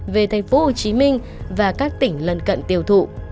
về thành phố hồ chí minh và các tỉnh lân cận tiêu thụ